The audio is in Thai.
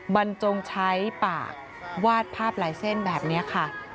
บรรจงใช้ปากวาดภาพหลายเส้นแบบนี้ค่ะ